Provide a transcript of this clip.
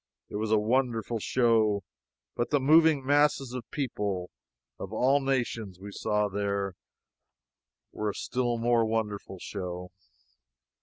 It was a wonderful show, but the moving masses of people of all nations we saw there were a still more wonderful show.